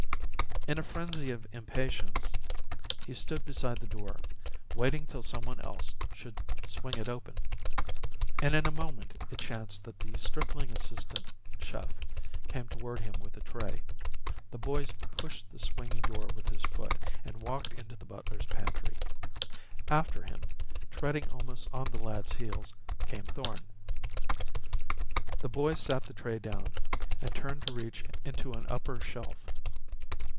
In a frenzy of impatience, he stood beside the door, waiting till someone else should swing it open. And in a moment it chanced that the stripling assistant chef came toward him with a tray. The boy pushed the swinging door with his foot, and walked into the butler's pantry. After him, treading almost on the lad's heels, came Thorn. The boy sat the tray down, and turned to reach into an upper shelf.